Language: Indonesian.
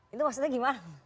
itu maksudnya gimana